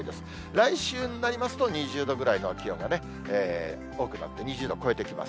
来週になりますと、２０度ぐらいの気温が多くなって、２０度超えてきます。